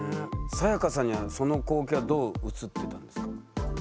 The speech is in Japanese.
サヤカさんにはその光景はどう映ってたんですか？